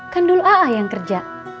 kan dulu alah yang kerja